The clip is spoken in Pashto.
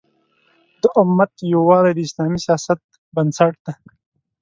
د امت یووالی د اسلامي سیاست بنسټ دی.